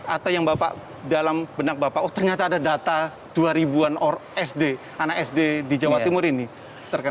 atau yang bapak dalam benak bapak oh ternyata ada data dua ribu an sd anak sd di jawa timur ini